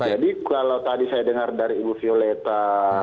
jadi kalau tadi saya dengar dari ibu violeta